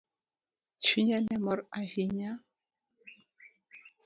Chunye ne mor ahinya.